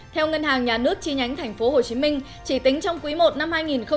theo ngân hàng nhà nước chi nhánh tp hcm chỉ tính trong quý i năm hai nghìn hai mươi